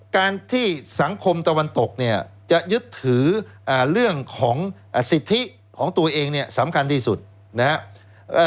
การที่สังคมตะวันตกเนี่ยจะยึดถือเรื่องของสิทธิของตัวเองเนี่ยสำคัญที่สุดนะครับ